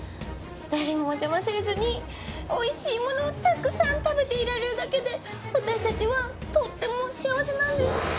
誰にも邪魔されずに美味しいものをたくさん食べていられるだけで私たちはとっても幸せなんです。